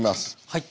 はい。